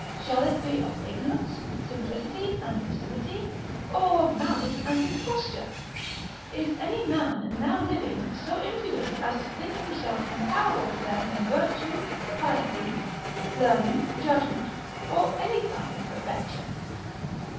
Shall it be of ignorance, simplicity, and facility; or of malice and imposture? Is any man now living so impudent as to think himself comparable to them in virtue, piety, learning, judgment, or any kind of perfection?